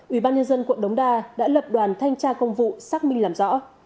ubnd quận đống đa đã lập đoàn thanh tra công vụ xác minh làm rõ